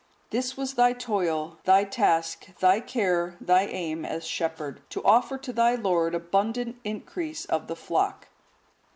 This was thy toil, thy task, thy care, thy aim as shepherd, to offer to thy Lord abundant increase of the flock.